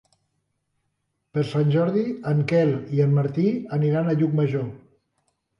Per Sant Jordi en Quel i en Martí aniran a Llucmajor.